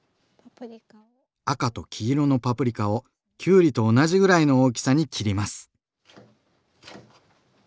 赤と黄色のパプリカをきゅうりと同じぐらいの大きさに切ります。